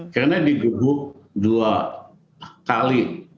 karena digugur dua kali